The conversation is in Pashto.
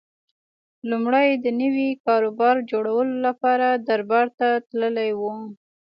لومړی د نوي کاروبار جوړولو لپاره دربار ته تللی و